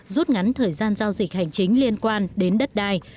rút ngắn thời gian giao dịch hành chính liên quan đến đất đai